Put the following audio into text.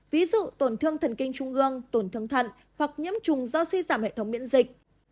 ví dụ tổn thương thần kinh trung ương tổn thương thận hoặc nhiễm trùng do suy giảm hệ thống miễn dịch